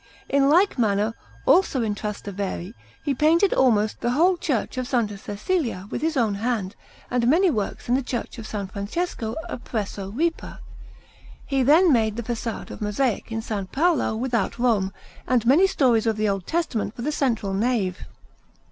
In like manner, also in Trastevere, he painted almost the whole Church of S. Cecilia with his own hand, and many works in the Church of S. Francesco appresso Ripa. He then made the façade of mosaic in S. Paolo without Rome, and many stories of the Old Testament for the central nave.